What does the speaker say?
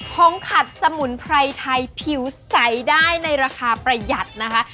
ขัดสมุนไพรไทยผิวใสได้ในราคาประหยัดนะคะ